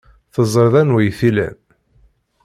Teẓriḍ anwa ay t-ilan.